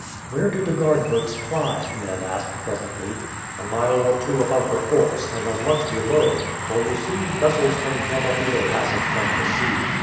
"Where do the guard boats ply?" Ned asked presently. "A mile or two above the forts, and as much below; for, you see, vessels can come up either passage from the sea.